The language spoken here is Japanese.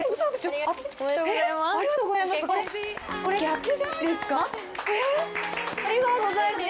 おめでとうございます。